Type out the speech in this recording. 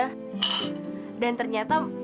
dan ternyata yoga itu orangnya baik banget ya bu